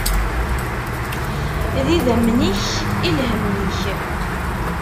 D idammen-ik, i lhemm-ik.